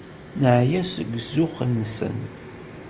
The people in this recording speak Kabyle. Neɛya seg zzux-nsen.